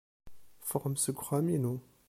Ffɣem seg uxxam-inu.